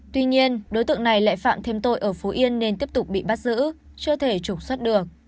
tuy nhiên đối tượng này lại phạm thêm tội ở phú yên nên tiếp tục bị bắt giữ chưa thể trục xuất được